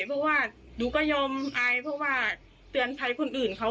เพราะว่าหนูก็ยอมอายเพราะว่าเตือนภัยคนอื่นเขา